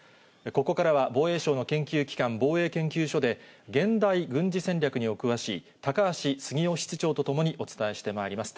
ここからは、防衛省の研究機関、防衛研究所で、現代軍事戦略にお詳しい、高橋杉雄室長と共にお伝えしてまいります。